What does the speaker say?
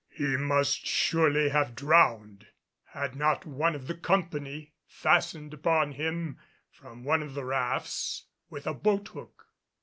He must surely have been drowned had not one of the company fastened upon him from one of the rafts with a boat hook.